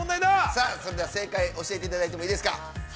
◆さあ、それでは、正解を教えていただいてもいいですか。